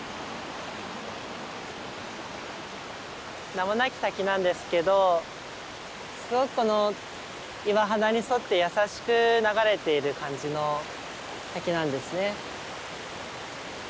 名もなき滝なんですけどすごくこの岩肌に沿って優しく流れている感じの滝なんですね。